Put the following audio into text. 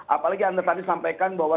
apalagi anda tadi sampaikan bahwa